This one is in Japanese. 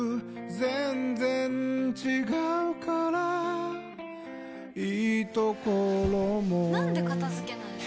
全然違うからいいところもなんで片付けないの？